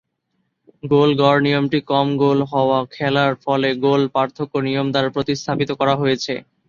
গড় গোল নিয়মটি কম গোল হওয়া খেলার ফলে গোল পার্থক্য নিয়ম দ্বারা প্রতিস্থাপিত করা হয়েছে।